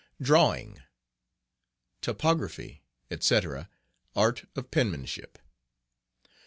Drawing...................Topography, etc. Art of Penmanship.